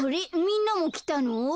みんなもきたの？